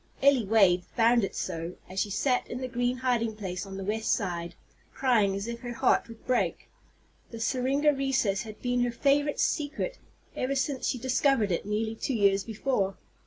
Elly Wade found it so, as she sat in the green hiding place on the west side, crying as if her heart would break. The syringa recess had been her favorite "secret" ever since she discovered it, nearly two years before.